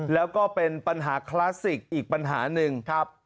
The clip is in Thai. แล้วก็เป็นปัญหาคลาสสิกอีกปัญหาหนึ่งครับ